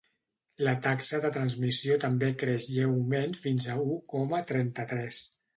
La taxa de transmissió també creix lleument fins a u coma trenta-tres.